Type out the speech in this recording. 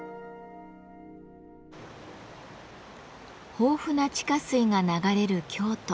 豊富な地下水が流れる京都。